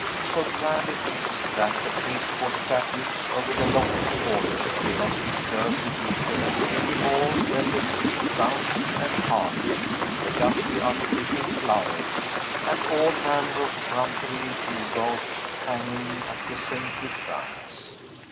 So grand it is, that the pasteboard statues over the lofty cornice do not disturb the effect, any more than the tin crowns and hearts, the dusty artificial flowers, and all manner of trumpery gew gaws, hanging at the saintly shrines.